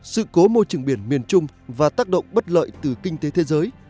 sự cố môi trường biển miền trung và tác động bất lợi từ kinh tế thế giới